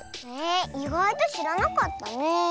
いがいとしらなかったねえ。